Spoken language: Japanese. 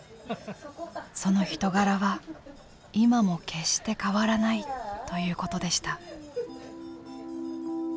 その人柄は今も決して変わらないということでした。